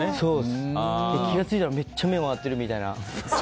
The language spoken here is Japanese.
気が付いたらめっちゃ目が回ってるみたいな。